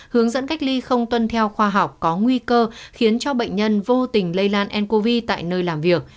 hướng dẫn cách ly không tuân theo khoa học có nguy cơ khiến cho bệnh nhân vô tình lây lan ncov tại nơi làm việc